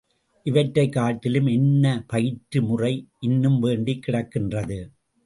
இவற்றைக் காட்டிலும் என்ன பயிற்று முறை இன்னும் வேண்டிக் கிடக்கின்றது?